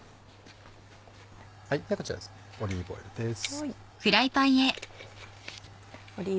ではこちらオリーブオイルです。